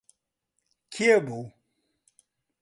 کێ بوو؟